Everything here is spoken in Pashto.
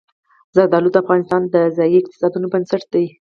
زردالو د افغانستان د ځایي اقتصادونو بنسټ دی.